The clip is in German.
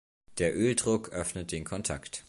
Der Öldruck öffnet den Kontakt.